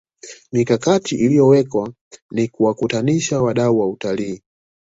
mikakati iliyowekwa ni kuwakutanisha wadau wa utalii